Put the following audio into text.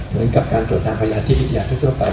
เหมือนกับการตรวจตามประหยัดที่วิทยาที่ทั่วไป